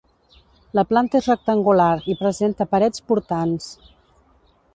La planta és rectangular i presenta parets portants.